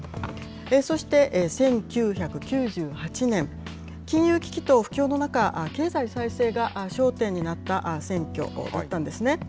そして１９９８年、金融危機と不況の中、経済再生が焦点になった選挙だったんですね。